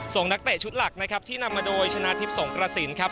นักเตะชุดหลักนะครับที่นำมาโดยชนะทิพย์สงกระสินครับ